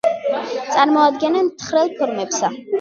წარმოადგენენ მთხრელ ფორმებსა.